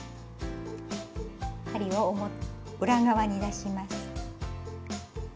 針を裏側に出します。